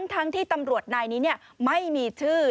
ทั้งที่ตำรวจนายนี้ไม่มีชื่อ